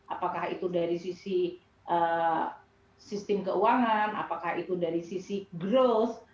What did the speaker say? apakah itu dari sisi sistem keuangan apakah itu dari sisi growth